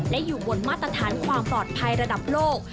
และอยู่บนมาตรฐานความปลอดภัยระดับโลก